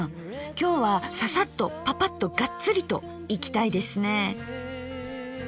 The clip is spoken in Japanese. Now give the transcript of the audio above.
今日はササッとパパッとガッツリといきたいですね。